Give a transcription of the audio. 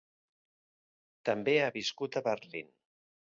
També ha viscut a Berlín.